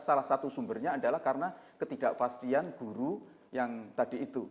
salah satu sumbernya adalah karena ketidakpastian guru yang tadi itu